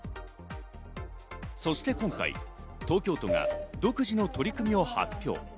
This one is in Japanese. そして今回、東京都が独自の取り組みを発表。